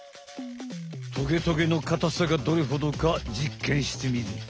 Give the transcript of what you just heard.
トゲトゲのかたさがどれほどかじっけんしてみると？